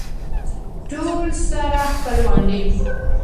ټول سره خپلوان دي.